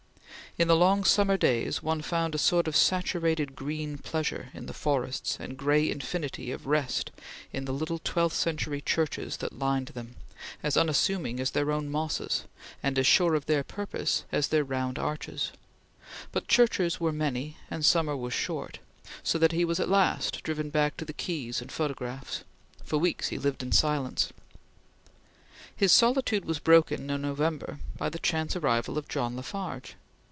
In the long summer days one found a sort of saturated green pleasure in the forests, and gray infinity of rest in the little twelfth century churches that lined them, as unassuming as their own mosses, and as sure of their purpose as their round arches; but churches were many and summer was short, so that he was at last driven back to the quays and photographs. For weeks he lived in silence. His solitude was broken in November by the chance arrival of John La Farge.